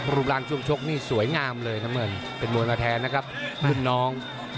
รูปร่างช่วงชกนี่สวยงามเลยน้ำเงินเป็นมวยมาแทนนะครับรุ่นน้อง